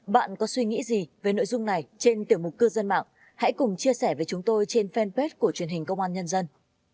bạn có suy nghĩ gì về nội dung này trên tiểu mục cư dân mạng hãy cùng chia sẻ với chúng tôi trên fanpage của truyền hình công an nhân dân